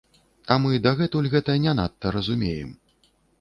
А мы дагэтуль гэта не надта разумеем.